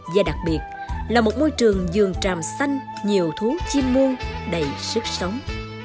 và đặc biệt là một môi trường dường tràm xanh nhiều thú chim muôn đầy sức sống